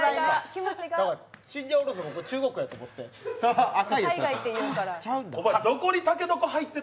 チンジャオロースー、中国だと思って。